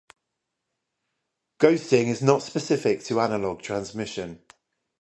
Ghosting is not specific to analog transmission.